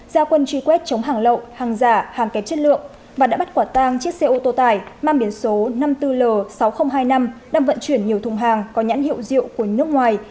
giao quân truy quét chống hàng lậu hàng giả hàng kém chất lượng và đã bắt quả tang chiếc xe ô tô tải mang biển số năm mươi bốn l sáu nghìn hai mươi năm đang vận chuyển nhiều thùng hàng có nhãn hiệu rượu của nước ngoài